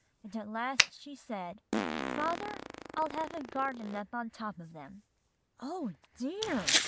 And at last she said, 'Father, I'll have a garden up on top of them.'" "Oh, dear!"